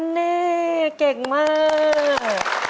นดิเต็กมาก